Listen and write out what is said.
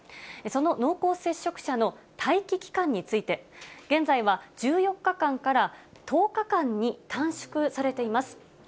その濃厚接触者の待機期間について、現在は１４日間から１０日間に短縮されています。